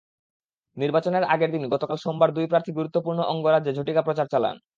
নির্বাচনের আগের দিন গতকাল সোমবার দুই প্রার্থী গুরুত্বপূর্ণ অঙ্গরাজ্যে ঝটিকা প্রচার চালান।